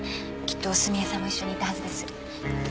きっと澄江さんも一緒にいたはずです。